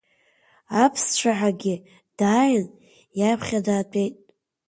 Аԥсцәаҳагьы дааин, иаԥхьа даатәеит.